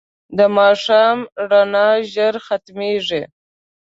د ماښام رڼا ژر ختمېږي